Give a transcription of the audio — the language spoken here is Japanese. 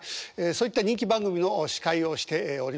そういった人気番組の司会をしておりました。